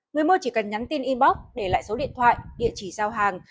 người mua chỉ cần nhắn tin inbox để lại số điện thoại địa chỉ giao hàng